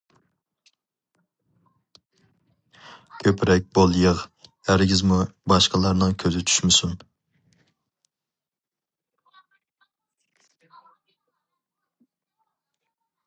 كۆپرەك بول يىغ، ھەرگىزمۇ باشقىلارنىڭ كۆزى چۈشمىسۇن.